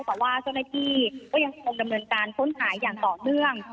ก็ยังคงดำเนินการค้นหาอย่างต่อเนื่อง